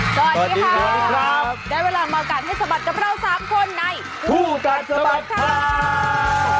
สวัสดีครับได้เวลามาอากาศให้สะบัดกับเรา๓คนในผู้กัดสะบัดข่าว